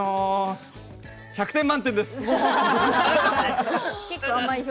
１００点満点です！